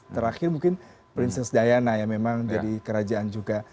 terakhir mungkin princess diana yang memang jadi kerajaan juga